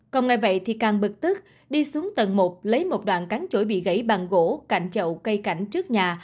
còn ngày vậy thì càng bực tức đi xuống tầng một lấy một đoạn cắn chổi bị gãy bằng gỗ cạnh chậu cây cảnh trước nhà